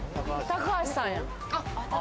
高橋さんや。